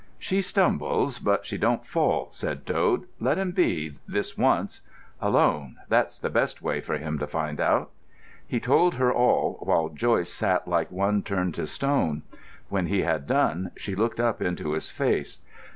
"She stumbles, but she don't fall," said Dode. "Let him be—this once. Alone—that's the best way for him to find out." He told her all, while Joyce sat like one turned to stone. When he had done, she looked up into his face.